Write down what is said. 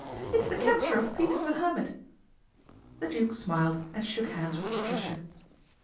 " It's the captor if Peter the Hermit." The Duke smiled and shook hands wil Patricia.